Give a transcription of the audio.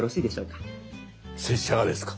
拙者がですか。